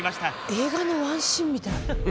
映画のワンシーンみたい。